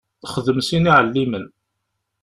Xdem sin iɛellimen.